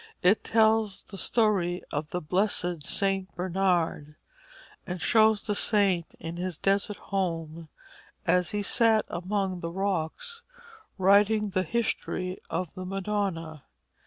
It tells the story of the blessed St. Bernard, and shows the saint in his desert home, as he sat among the rocks writing the history of the Madonna.